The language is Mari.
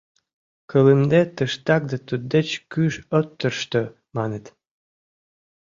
Кылымде тыштак да туддеч кӱш от тӧрштӧ, маныт.